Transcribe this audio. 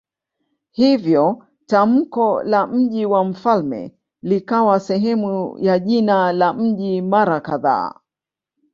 Hivyo tamko la "mji wa mfalme" likawa sehemu ya jina la mji mara kadhaa.